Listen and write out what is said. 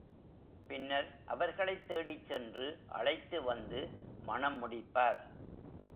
பின்னர் அவர்களைத் தேடிச் சென்று அழைத்து வந்து மணம் முடிப்பார்.